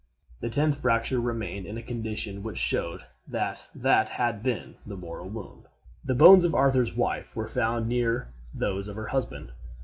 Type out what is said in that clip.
The tenth fracture remained in a condition which showed that that had been the mortal wound. The bones of Arthur's wife were found near those of her husband.